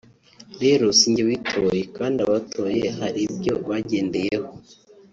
rero sinjye witoye kandi abatoye hari ibyo bagendeyeho